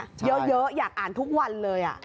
เยอะอยากอ่านทุกวันเลย